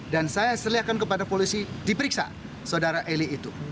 dan saya seliakan kepada polisi diperiksa saudara eli itu